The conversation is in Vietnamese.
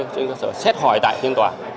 trên cơ sở xét hỏi tại phiên tòa